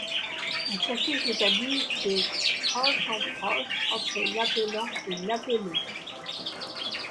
Un circuit s'établit de proche en proche entre l'appelant et l'appelé.